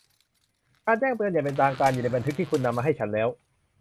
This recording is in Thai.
การแจ้งเตือนอย่างเป็นทางการอยู่ในบันทึกที่คุณนำมาให้ฉันแล้ว